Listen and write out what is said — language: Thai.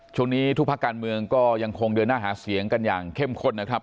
ช่วงนี้ทุกภาคการเมืองก็ยังคงเดินหน้าหาเสียงกันอย่างเข้มข้นนะครับ